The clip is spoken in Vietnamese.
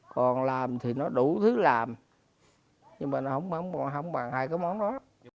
còn làm thì nó đủ thứ làm nhưng mà nó không bằng hai cái món đó